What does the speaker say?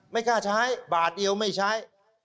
ไม่กล้าใช้บาทเดียวไม่ใช้